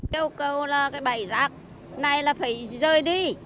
châu cầu là cái bảy rác này là phải rơi đi